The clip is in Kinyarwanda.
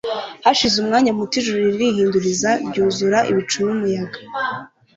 Hashize umwanya muto ijuru ririhinduriza ryuzura ibicu numuyaga